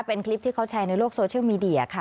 เป็นคลิปที่เขาแชร์ในโลกโซเชียลมีเดียค่ะ